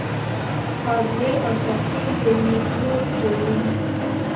هارډویر او سافټویر یو نیټورک جوړوي.